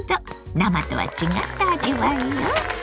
生とは違った味わいよ。